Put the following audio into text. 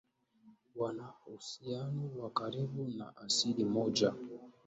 wana uhusiano wa karibu na asili moja